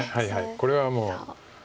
これはもう。